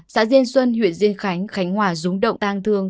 xã diên xuân huyện diên khánh khánh hòa rúng động tang thương